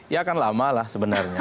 ya kan lama lah sebenarnya